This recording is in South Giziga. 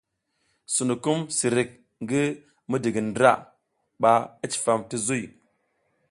Sinukum sirik ngi midigindra ba i cifam ti zuy.